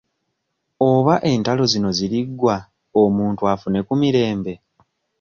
Oba entalo zino ziriggwa omuntu afune ku mirembe?